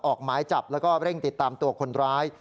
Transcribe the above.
ออกหมายจับแล้วก็เร่งติดตามตัวคนร้าย